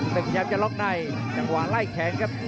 พยายามจะล็อกในจังหวะไล่แขนครับ